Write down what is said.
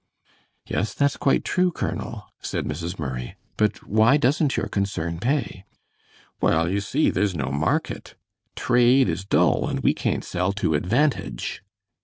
"Yes, that's quite true, Colonel," said Mrs. Murray; "but why doesn't your concern pay?" "Well, you see, there's no market; trade is dull and we can't sell to advantage."